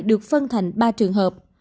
được phân thành ba trường hợp